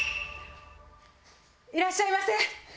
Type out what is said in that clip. いらっしゃいませ！